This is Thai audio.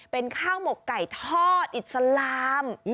เป็นข้าวหมกไก่ทอดอิสลาม